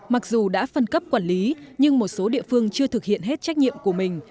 mặc dù đã phân cấp quản lý nhưng một số địa phương chưa thực hiện hết trách nhiệm của mình